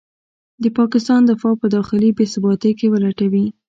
د پاکستان دفاع په داخلي بې ثباتۍ کې ولټوي.